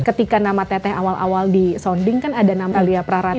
ketika nama teteh awal awal di sounding kan ada nama lia prarat